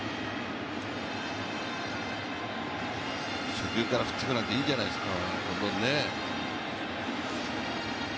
初球から振っていくなんていいじゃないですか。